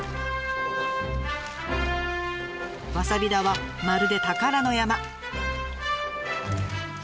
わさび田はまるで宝の山！